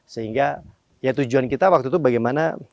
sehingga ya tujuan kita waktu itu bagaimana